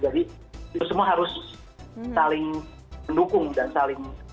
jadi itu semua harus saling mendukung dan saling terkait